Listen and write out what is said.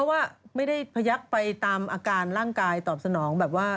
ว่าไม่ได้พยักไปตามอาการร่างกายตอบสนองแบบว่า